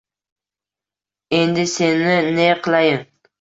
Endi seni ne qilayin